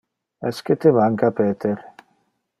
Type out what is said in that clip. Esque te manca Peter?